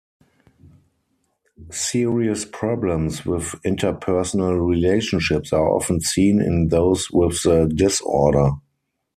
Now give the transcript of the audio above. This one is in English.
Serious problems with interpersonal relationships are often seen in those with the disorder.